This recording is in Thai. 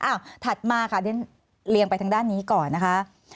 ฼ัฐมาเลี่ยงไปทางด้านนี้ก่อนนะคะ